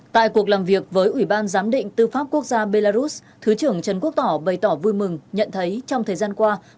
tại cuộc làm việc với ủy ban giám định tư pháp quốc gia belarus thứ trưởng trần quốc tỏ bày tỏ vui mừng nhận thấy trong thời gian qua